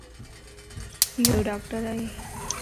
يو ڊاڪٽر ائي